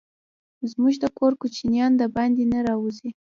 زموږ د کور کوچينان دباندي نه راوزي.